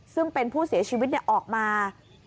ซึ่งเป็นผู้เสียชีวิตออกมา